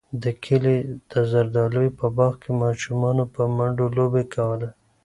د کلي د زردالیو په باغ کې ماشومانو په منډو لوبې کولې.